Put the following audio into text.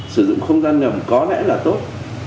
sử dụng không gian ngầm có lẽ là tốt